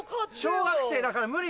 小学生だから無理だよ。